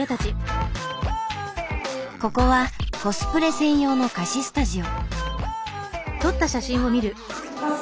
ここはコスプレ専用の貸しスタジオ。